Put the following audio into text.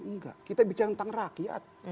enggak kita bicara tentang rakyat